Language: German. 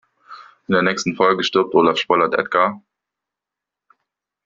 In der nächsten Folge stirbt Olaf, spoilert Edgar.